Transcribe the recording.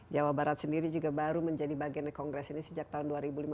jawa barat sendiri juga baru menjadi bagiannya kongres ini sejak tahun dua ribu lima belas